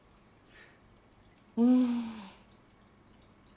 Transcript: うん。